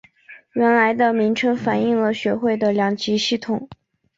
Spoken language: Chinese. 原来的名称反应了学会的两级系统。